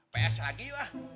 ps lagi yuk